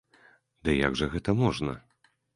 Ды як жа гэта можна?